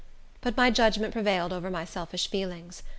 But my judgment prevailed over my selfish feelings.